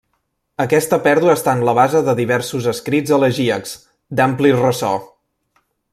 Aquesta pèrdua està en la base de diversos escrits elegíacs, d'ampli ressò.